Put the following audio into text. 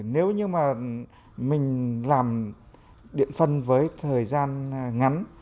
nếu như mà mình làm điện phân với thời gian ngắn